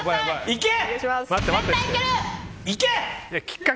いけ！